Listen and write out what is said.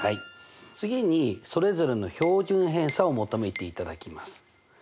次にそれぞれの標準偏差を求めていただきます。